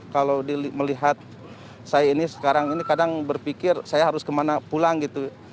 kalau melihat saya ini sekarang ini kadang berpikir saya harus kemana pulang gitu